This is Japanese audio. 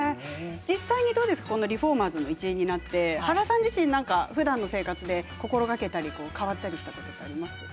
実際にリフォーマーズの一員になってはらさん自身、ふだんの生活で心がけたり変わったりしたことあります？